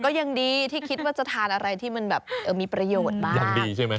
ก็ยังดีที่คิดว่าจะทานอะไรที่มีประโยชน์มาก